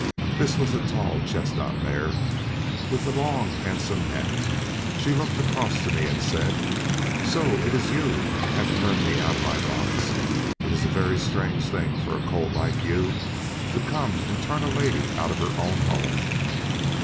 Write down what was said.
This was a tall chestnut mare, with a long handsome neck; she looked across to me and said, "So it is you have turned me out of my box; it is a very strange thing for a colt like you to come and turn a lady out of her own home."